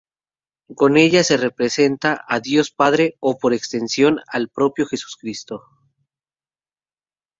Con ella se representa a Dios Padre o, por extensión, al propio Jesucristo.